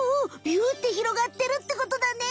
ビュッてひろがってるってことだね。